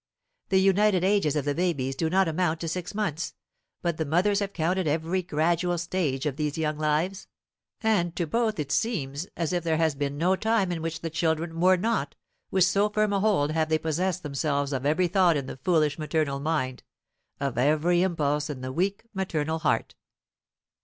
The united ages of the babies do not amount to six months; but the mothers have counted every gradual stage of these young lives, and to both it seems as if there had been no time in which the children were not, with so firm a hold have they possessed themselves of every thought in the foolish maternal mind, of every impulse in the weak maternal heart.